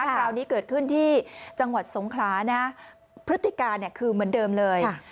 คราวนี้เกิดขึ้นที่จังหวัดสงขลานะพฤติการคือเหมือนเดิมเลย